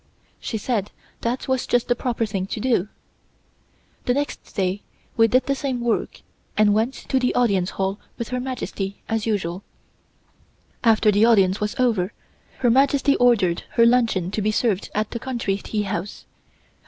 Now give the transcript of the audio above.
She said that was just the proper thing to do. The next day we did the same work, and went to the Audience Hall with Her Majesty, as usual. After the audience was over Her Majesty ordered her luncheon to be served at the country teahouse.